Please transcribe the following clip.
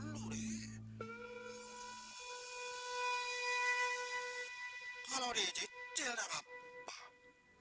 sudah ada yang atur